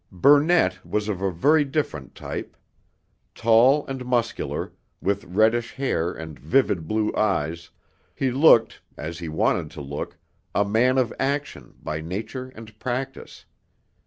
Burnett was of a very different type. Tall and muscular, with reddish hair and vivid blue eyes, he looked (as he wanted to look) a 'man of action' by nature and practice.